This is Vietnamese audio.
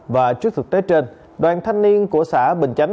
và trước thực tế trên đoàn thanh niên của xã bình chánh